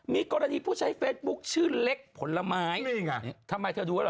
มีกรณีผู้ใช้เฟซบุ๊คชื่อเล็กผลไม้นี่ไงทำไมเธอดูแล้วเห